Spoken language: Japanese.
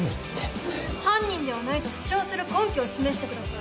犯人ではないと主張する根拠を示してください。